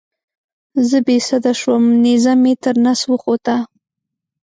زه بې سده شوم نیزه مې تر نس وخوته.